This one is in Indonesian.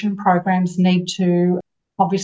jadi program pendidikan kita harus